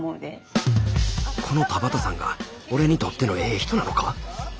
この田畑さんが俺にとってのええ人なのか？